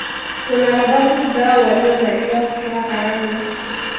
Kuna mababu zao waliozaliwa kutoka Karagwe